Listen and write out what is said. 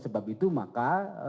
sebab itu maka